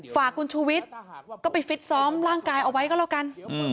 ฝากคุณชูวิทย์ก็ไปฟิตซ้อมร่างกายเอาไว้ก็แล้วกัน